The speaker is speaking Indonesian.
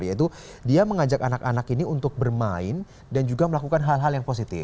yaitu dia mengajak anak anak ini untuk bermain dan juga melakukan hal hal yang positif